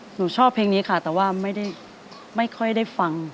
หนูชอบเพลงนี้ค่ะแต่ว่าไม่ค่อยได้ฟัง